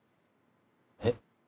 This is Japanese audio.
えっ？